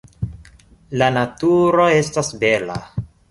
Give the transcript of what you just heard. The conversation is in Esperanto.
La naturo estas bela!